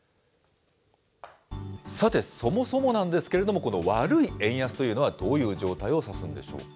さて、そもそもなんですけれども、この悪い円安というのはどういう状態を指すんでしょうか。